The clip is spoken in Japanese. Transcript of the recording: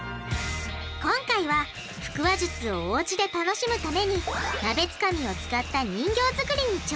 今回は腹話術をおうちで楽しむためになべつかみを使った人形作りに挑戦。